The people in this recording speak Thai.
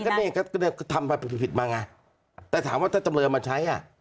ก็เนี้ยก็ก็เนี้ยก็ทำผิดผิดมาไงแต่ถามว่าถ้าจำเรือมาใช้อ่ะ